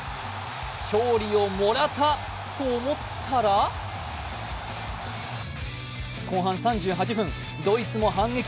勝利をモラタと思ったら後半３８分、ドイツも反撃。